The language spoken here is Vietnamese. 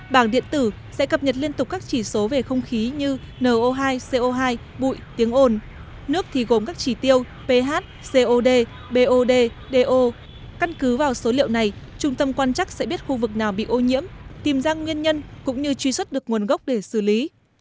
bảng điện tử sẽ cập nhật liên tục các chỉ số về không khí như no hai co hai bụi tiếng ồn nước thì gồm các chỉ tiêu ph cod bod doo căn cứ vào số liệu này trung tâm quan chắc sẽ biết khu vực nào bị ô nhiễm tìm ra nguyên nhân cũng như truy xuất được nguồn gốc để xử lý